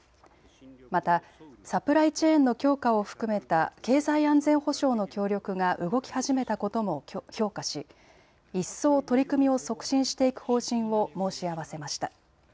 またサプライチェーンの強化を含めた経済安全保障の協力が動き始めたことも評価し一層取り組みを促進していく方針を申し合わせました。